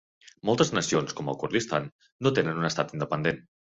Moltes nacions, com el Kurdistan, no tenen un estat independent.